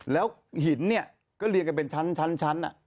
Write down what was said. แล้วหินเนี่ยก็เรียงกันเป็นชั้น